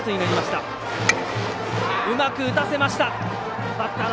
うまく打たせました！